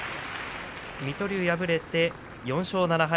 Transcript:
水戸龍、破れて４勝７敗。